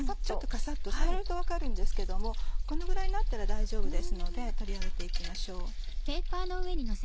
ちょっとカサっと触ると分かるんですけどもこのぐらいになったら大丈夫ですので取り上げて行きましょう。